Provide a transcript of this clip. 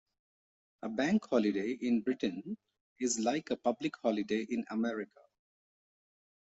A Bank Holiday in Britain is like a public holiday in America